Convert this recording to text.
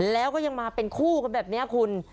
แล้วก็ยังมาเป็นคู่กันแบบนี้คุณ